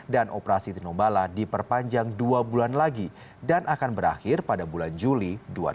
dan operasi tinombala diperpanjang dua bulan lagi dan akan berakhir pada bulan juli dua ribu enam belas